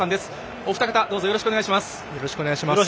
お二方どうぞよろしくお願いいたします。